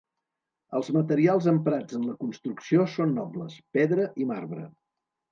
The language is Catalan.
Els materials emprats en la construcció són nobles: pedra i marbre.